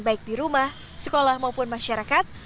baik di rumah sekolah maupun masyarakat